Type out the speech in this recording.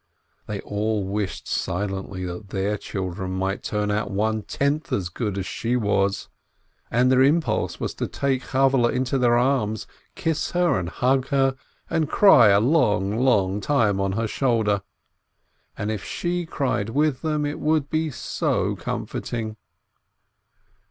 They all wished silently that their children might turn out one tenth as good as she was, and their impulse was to take Chavvehle into their arms, kiss her and hug her, and cry a long, long time on her shoulder; and if she cried with them, it would be so comforting.